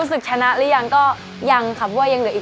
เสียใจด้วยนะครับมีอะไรอยากจะพูดกับกรรมการไหม